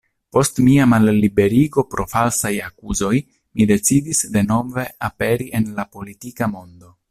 Post mia malliberigo pro falsaj akuzoj mi decidis denove aperi en la politika mondo".